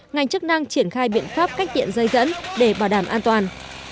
ngành chức năng triển khai biện pháp cách điện dây dẫn để bảo đảm an toàn